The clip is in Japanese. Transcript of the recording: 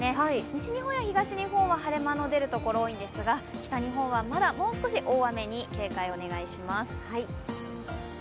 西日本や東日本は晴れ間の出るところが多いんですが、北日本はまだもう少し大雨に警戒をお願いします。